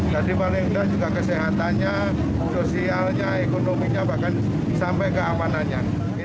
jadi paling enggak juga kesehatannya sosialnya ekonominya bahkan sampai keamanannya